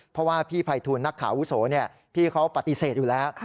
เพราะว่าพี่ภัยทูลนักข่าวอาวุโสพี่เขาปฏิเสธอยู่แล้ว